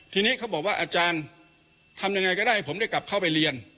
ทีนี้เขาบอกว่าอาจารย์ทำยังไงก็ได้ผมได้กลับเข้าไปเรียน